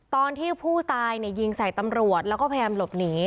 ตอนที่ผู้ตายยิงใส่ตำรวจแล้วก็พยายามหลบหนี